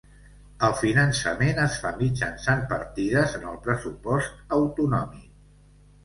El finançament es fa mitjançant partides en el pressupost autonòmic.